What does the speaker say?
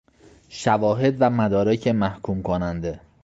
شواهد و مدارک محکوم کننده